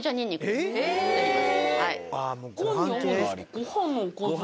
ご飯のおかず。